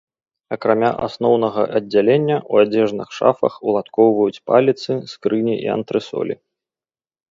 Акрамя асноўнага аддзялення ў адзежных шафах уладкоўваюць паліцы, скрыні і антрэсолі.